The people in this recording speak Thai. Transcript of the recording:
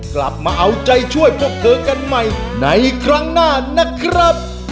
กลับมาเอาใจช่วยพวกเธอกันใหม่ในครั้งหน้านะครับ